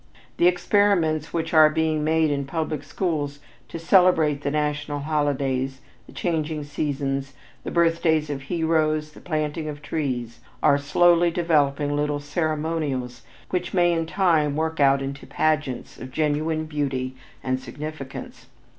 The experiments which are being made in public schools to celebrate the national holidays, the changing seasons, the birthdays of heroes, the planting of trees, are slowly developing little ceremonials which may in time work out into pageants of genuine beauty and significance.